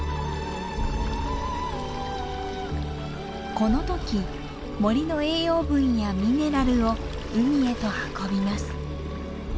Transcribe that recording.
この時森の栄養分やミネラルを海へと運びます。